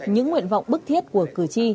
những nguyện vọng bức thiết của cử tri